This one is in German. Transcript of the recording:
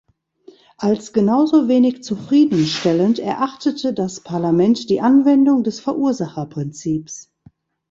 Als genauso wenig zufriedenstellend erachtete das Parlament die Anwendung des Verursacherprinzips.